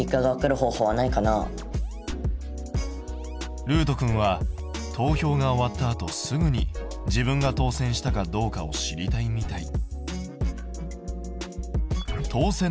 るうとくんは投票が終わったあとすぐに自分が当選したかどうかを知りたいみたい。